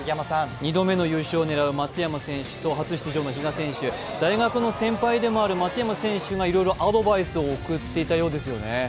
２度目の優勝を狙う松山選手と初出場の比嘉選手、大学の先輩でもある松山選手がいろいろアドバイスを送っていたようですよね。